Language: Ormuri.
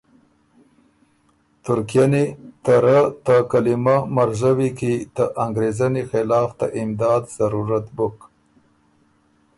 تُرکئني ته رۀ ته کلیمۀ مرزوی کی ته انګرېزنی خلاف ته امداد ضرورت بُک،